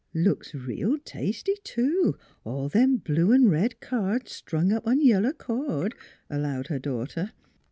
" Looks reel tasty, too, all them blue an' red cards strung up on yellow cord," allowed her daughter.